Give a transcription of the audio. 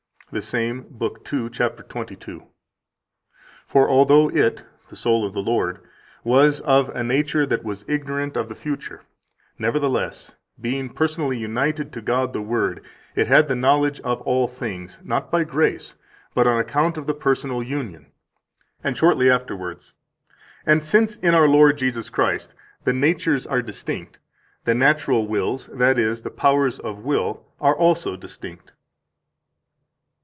162 The same, lib. 2, cap. 22: "For although it (the soul of the Lord) was of a nature that was ignorant of the future, nevertheless, being personally united to God the Word, it had the knowledge of all things, not by grace, but on account of the personal union." And shortly afterwards: "And since in our Lord Jesus Christ the natures are distinct, the natural wills, that is, the powers of will, are also distinct."